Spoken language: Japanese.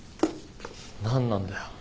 何なんだよ。